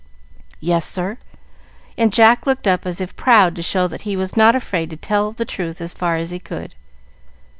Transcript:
"Yes, sir;" and Jack looked up as if proud to show that he was not afraid to tell the truth as far as he could.